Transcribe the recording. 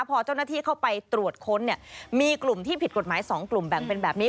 พอเจ้าหน้าที่เข้าไปตรวจค้นเนี่ยมีกลุ่มที่ผิดกฎหมาย๒กลุ่มแบ่งเป็นแบบนี้